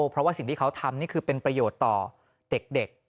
เพราะว่าสิ่งที่เขาทำนี่คือเป็นประโยชน์ต่อเด็ก